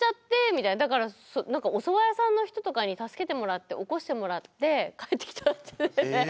だからおそば屋さんの人とかに助けてもらって起こしてもらって帰ってきたって。え！